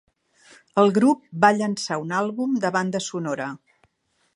El grup va llançar un àlbum de banda sonora.